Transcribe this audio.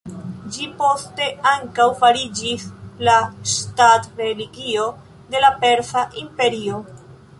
Ĝi poste ankaŭ fariĝis la ŝtat-religio de la Persa imperio.